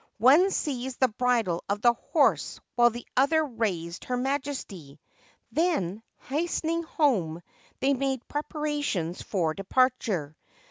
One seized the bridle of the horse, while the other raised Her Majesty. Then, hastening home, they made preparations for departure.